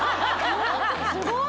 すごーい